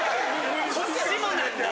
こっちもなんだ！